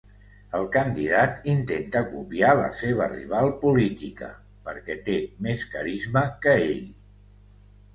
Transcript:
El candidat intenta copiar la seva rival política perquè té més carisma que ell.